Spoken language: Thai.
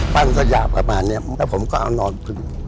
สยาบประมาณนี้แล้วผมก็เอานอนกึ่ง